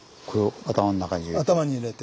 頭に入れて。